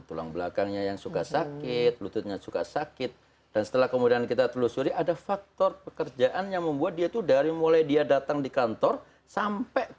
tulang belakangnya yang suka sakit lututnya suka sakit dan setelah kemudian kita telusuri ada faktor pekerjaan yang membuat dia tuh dari mulai dia datang di kantor sampai